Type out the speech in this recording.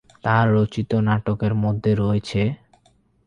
তার রচিত নাটকের মধ্যে রয়েছেঃ